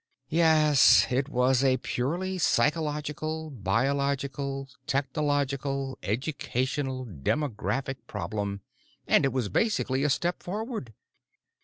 Yes. It was a purely psychological biological technological educational demographic problem, and it was basically a step forward.